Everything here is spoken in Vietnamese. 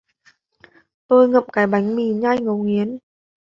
Tôi ngậm cái bánh mì nhai ngấu nghiến